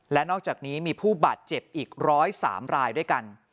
และนอกจากนี้มีผู้บาดเจ็บอีก๑๐๓รายด้วยกัน